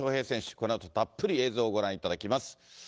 このあとたっぷり映像をご覧いただきます。